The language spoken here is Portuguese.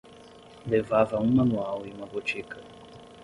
levava um Manual e uma botica.